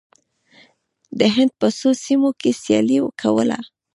د هند په څو سیمو کې سیالي کوله.